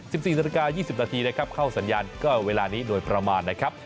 ๑๔นาทีการ์๒๐นาทีนะครับเข้าสัญญาณเวลานี้โดยประมาณนะครับ